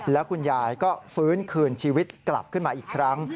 แล้วคุณยายก็ฟื้นคืนชีวิตกลับขึ้นมาอีกครั้ง